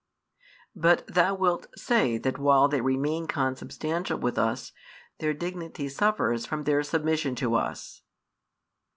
But thou wilt say that while they remain consubstantial with us, their dignity suffers from their submission to us.